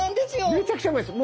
めちゃくちゃうまいです。